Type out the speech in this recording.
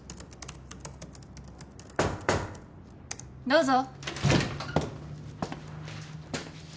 ・どうぞ。